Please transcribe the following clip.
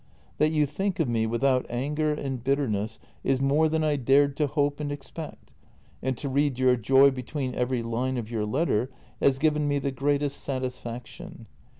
" That you think of me without anger and bitterness is more than I dared to hope and expect, and to read your joy between every line of your letter has given me the greatest satisfaction.